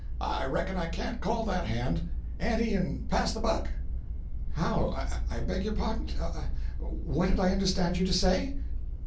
I reckon I can't call that hand. Ante and pass the buck." "How? I beg pardon. What did I understand you to say?"